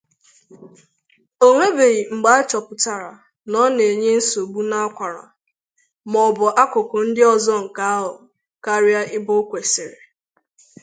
Onwebeghị mgbe achọpụtara n’ọ na-enye nsogbu n’akwara maọbụ akụkụ ndịozọ nke ahụ karịa ebe okwesịrị.